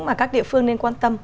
mà các địa phương nên quan tâm